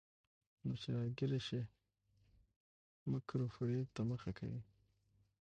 نو چې راګېره شي، مکر وفرېب ته مخه کوي.